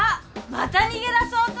また逃げだそうと！